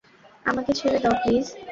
আমাকে ছেড়ে দেও, প্লিজ!